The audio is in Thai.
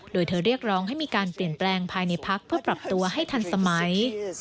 โดยเธอเรียกร้องให้มีการเปลี่ยนแปลงภายในพักเพื่อปรับตัวให้ทันสมัย